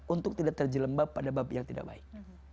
untuk tidak terjelembab pada babi yang tidak baik